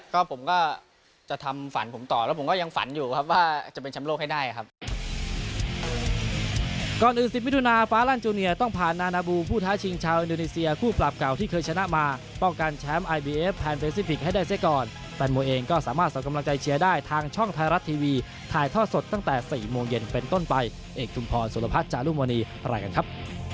ก็ผมก็จะทำฝันผมต่อแล้วผมก็ยังฝันอยู่ครับว่าจะเป็นแชมป์โลกให้ได้ครับ